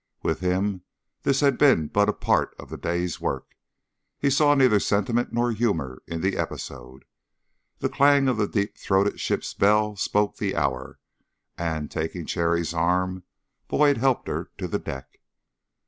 With him this had been but a part of the day's work. He saw neither sentiment nor humor in the episode. The clang of the deep throated ship's bell spoke the hour, and, taking Cherry's arm, Boyd helped her to the deck.